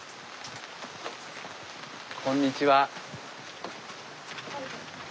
こんにちは。